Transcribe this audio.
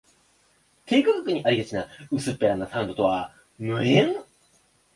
低価格にありがちな薄っぺらなサウンドとは無縁